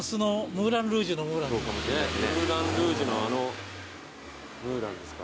ムーラン・ルージュのあの「ムーラン」ですか。